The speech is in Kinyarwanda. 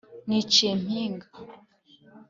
niciye mpinga